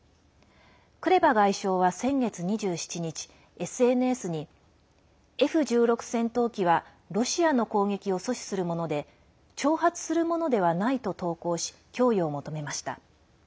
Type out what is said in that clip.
クレバ外相は先月２７日ＳＮＳにＦ１６戦闘機はロシアの攻撃を阻止するもので挑発するものではないと投稿し供与を求めました。